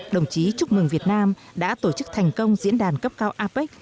đồng chí chúc mừng việt nam đã tổ chức thành công diễn đàn cấp cao apec